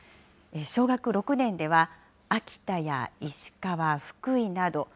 小学６年では、秋田や石川、福井など。